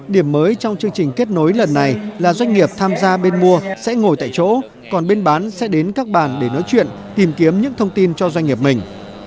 điểm mới trong chương trình kết nối lần này là doanh nghiệp tham gia bên mua sẽ ngồi tại chỗ còn bên bán sẽ đến các bàn để nói chuyện tìm kiếm những thông tin cho doanh nghiệp mình